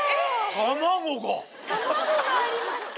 卵がありました！